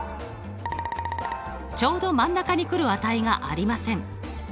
ちょうど真ん中にくる値がありません。